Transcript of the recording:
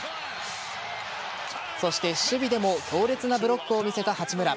そして守備でも強烈なブロックを見せた八村。